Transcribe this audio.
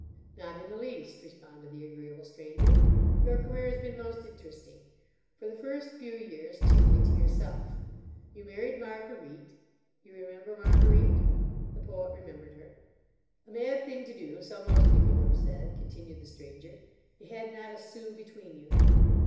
"Not in the least," responded the agreeable Stranger. "Your career has been most interesting—for the first few years chiefly to yourself. You married Marguerite. You remember Marguerite?" The Poet remembered her. "A mad thing to do, so most people would have said," continued the Stranger. "You had not a sou between you.